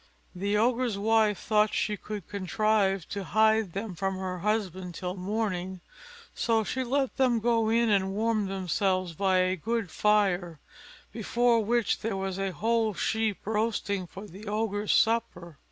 The Ogre's wife thought she could contrive to hide them from her husband till morning; so she let them go in and warm themselves by a good fire, before which there was a whole sheep roasting for the Ogre's supper.